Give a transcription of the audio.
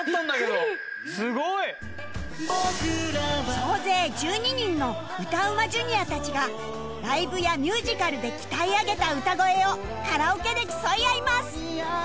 総勢１２人の歌うま Ｊｒ． たちがライブやミュージカルで鍛え上げた歌声をカラオケで競い合います